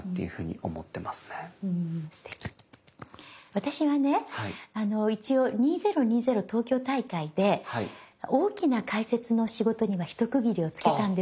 私はね一応２０２０東京大会で大きな解説の仕事には一区切りをつけたんです。